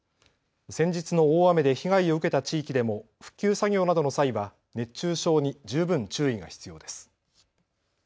先日の大雨で被害を受けた地域でも復旧作業などの際は熱中症に十分注意が必要です。